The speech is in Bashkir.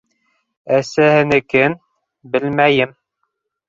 Әсәһенекен... белмәйем.